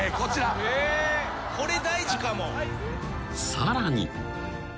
［さらに］